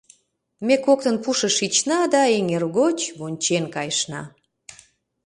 Ме коктын пушыш шична да эҥер гоч вончен кайышна.